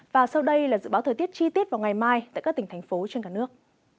và sau đây là dự báo thời tiết chi tiết vào ngày mai tại các tỉnh thành phố trên cả nước